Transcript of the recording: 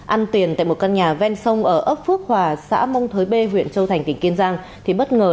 ăn tiền tại một căn nhà ven sông ở ấp phước hòa xã mông thới b huyện châu thành tỉnh kiên giang